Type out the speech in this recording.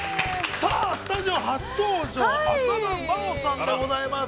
さあ、スタジオ初登場、浅田真央さんでございます。